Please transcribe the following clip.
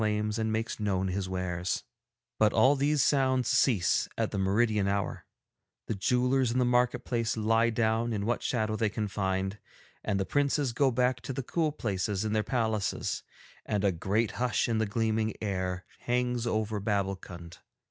'But all these sounds cease at the meridian hour, the jewellers in the market place lie down in what shadow they can find, and the princes go back to the cool places in their palaces, and a great hush in the gleaming air hangs over Babbulkund.